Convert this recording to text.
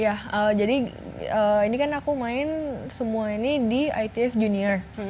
ya jadi ini kan aku main semua ini di itf junior